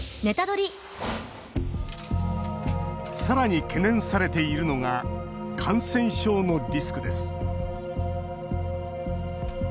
さらに懸念されているのが感染症のリスクです。